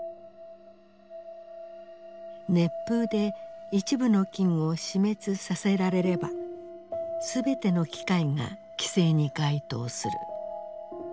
熱風で一部の菌を死滅させられれば全ての機械が規制に該当する。